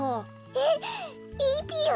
えっいいぴよ？